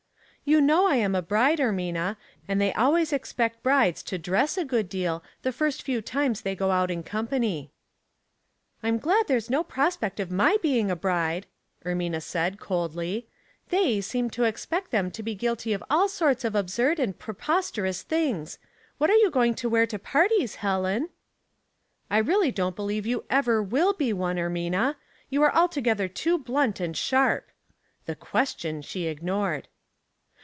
'" You know I am a bride, Ermina, and they always expect brides to dress a good deal the first few times they go oat in company." " I'm glad there's no prospect of my being a bride," Ermina said, coldly. "* They ' seem to expect them to be guilty of all sorts of absurd and preposterous things. What are you going to wear to parties, Helen ?"" I really don't believe you ever will be one, Ermina. You are altogether too blunt and sharp." The question she ignored.